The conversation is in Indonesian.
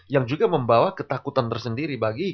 yang juga membawa ketakutan tersendiri bagi